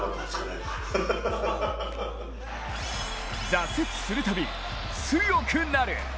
挫折する度、強くなる！